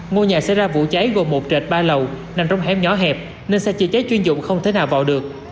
ngôi nhà xảy ra vụ cháy gồm một trệt ba lầu nằm trong hẻm nhỏ hẹp nên xe chữa cháy chuyên dụng không thể nào vào được